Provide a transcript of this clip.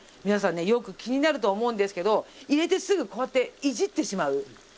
皆さんねよく気になると思うんですけど入れてすぐこうやっていじってしまう。